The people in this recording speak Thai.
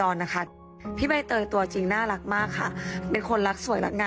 ในดูทุกคนค่ะ